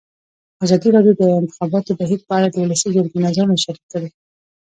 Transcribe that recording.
ازادي راډیو د د انتخاباتو بهیر په اړه د ولسي جرګې نظرونه شریک کړي.